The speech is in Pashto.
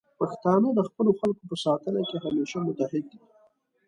پښتانه د خپلو خلکو په ساتنه کې همیشه متعهد دي.